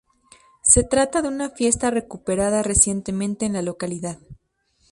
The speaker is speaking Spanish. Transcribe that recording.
Se trata de una fiesta recuperada recientemente en la localidad.